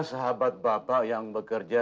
sahabat bapak yang bekerja